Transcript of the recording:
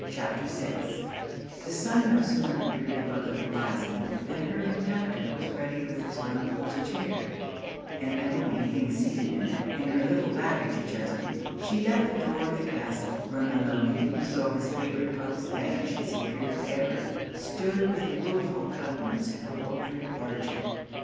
CHAPTER VI The sun no sooner appeared above the horizon, than her conductor was ready with his one horse chair: and Emmeline being seated in it, and her little baggage adjusted, she left the door of the castle; where Maloney, who saw his favourite hopes vanish as he feared for ever, stood with a rueful countenance to behold her departure.